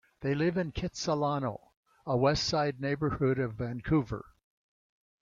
They live in Kitsilano, a West Side neighbourhood of Vancouver.